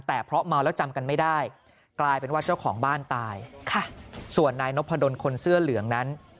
แต่เพราะเมาแล้วจำกันไม่ได้กลายเป็นว่าเจ้าของบ้านตายค่ะส่วนนายนพดลคนเสื้อเหลืองนั้น